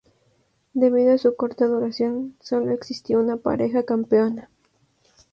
Debido a su corta duración, solo existió una pareja campeona.